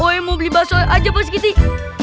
oe mau beli basuh aja bos kitih